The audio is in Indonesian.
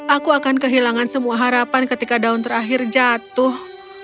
aku akan kehilangan semua harapan ketika daun terakhir jatuh